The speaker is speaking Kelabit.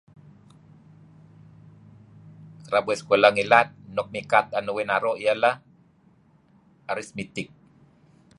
Kereb uih sekulah ngilad luk mikat tu'en uih naru' ialah Arithmetic.